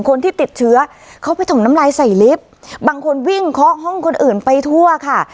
คนที่ติดเชื้อเขาไปถมน้ำลายใส่ลิฟต์บางคนวิ่งเคาะห้องคนอื่นไปทั่วค่ะ